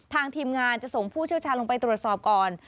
ทีมงานจะส่งผู้เชี่ยวชาญลงไปตรวจสอบก่อน